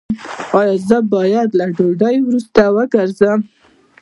ایا زه باید له ډوډۍ وروسته وګرځم؟